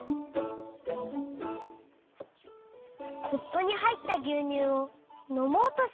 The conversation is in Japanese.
コップにはいったぎゅうにゅうをのもうとしました。